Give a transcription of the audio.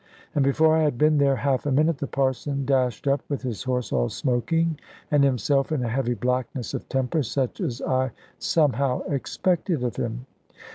And before I had been there half a minute, the Parson dashed up with his horse all smoking, and himself in a heavy blackness of temper, such as I somehow expected of him.